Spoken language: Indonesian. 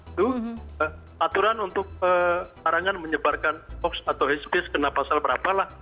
itu aturan untuk larangan menyebarkan hoax atau headcase kena pasal berapa lah